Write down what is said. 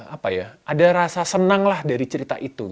apa ya ada rasa senang lah dari cerita itu